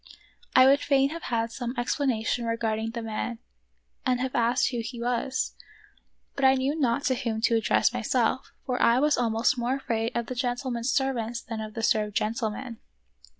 I would fain have had some explanation re garding the man and have asked who he was, but I knew not to whom to address myself, for I was almost more afraid of the gentlemen's servants than of the served gentlemen.